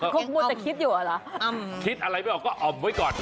คุณคุณจะคิดอยู่หรออ่อมคิดอะไรไม่ออกก็อ่อมไว้ก่อน